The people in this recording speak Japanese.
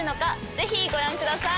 ぜひご覧ください。